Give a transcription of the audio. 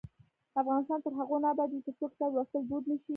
افغانستان تر هغو نه ابادیږي، ترڅو کتاب لوستل دود نشي.